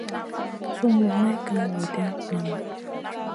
Sungu may kan loʼ ɗi, naŋu.